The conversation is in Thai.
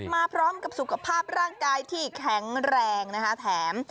มาพร้อมกับสุขภาพร่างกายที่แข็งแรงนะคะแถม